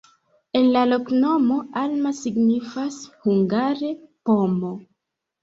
En la loknomo alma signifas hungare: pomo.